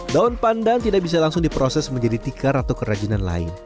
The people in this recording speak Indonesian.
daun pandan tidak bisa langsung diproses menjadi tikar atau kerajinan lain